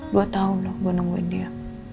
dua tahun lho gue nungguin dia